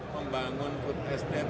membangun food sdm